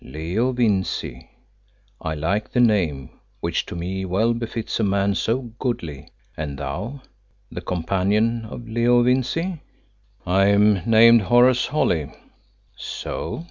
"Leo Vincey! I like the name, which to me well befits a man so goodly. And thou, the companion of Leo Vincey?" "I am named Horace Holly." "So.